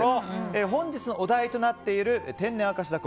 本日のお題となっている天然明石だこ